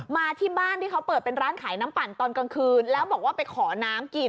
มาที่บ้านที่เขาเปิดเป็นร้านขายน้ำปั่นตอนกลางคืนแล้วบอกว่าไปขอน้ำกิน